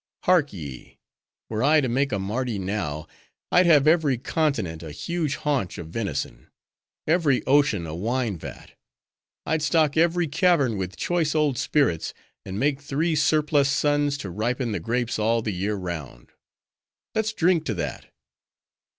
—Hark ye! were I to make a Mardi now, I'd have every continent a huge haunch of venison; every ocean a wine vat! I'd stock every cavern with choice old spirits, and make three surplus suns to ripen the grapes all the year round. Let's drink to that!